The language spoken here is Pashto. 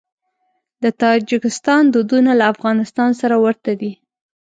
د تاجکستان دودونه له افغانستان سره ورته دي.